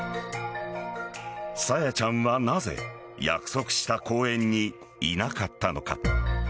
朝芽ちゃんはなぜ約束した公園にいなかったのか。